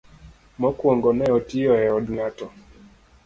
Mokwongo ne otiyo e od ng'ato.